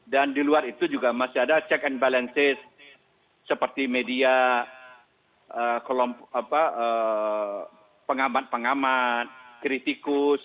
dan di luar itu juga masih ada check and balances seperti media pengamat pengamat kritikus